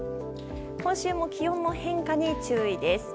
今週も気温の変化に注意です。